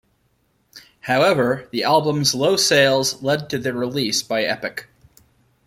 However, the album's low sales led to their release by Epic.